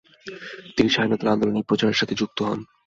তিনি স্বাধীনতা আন্দোলনের প্রচারের সাথে যুক্ত হন।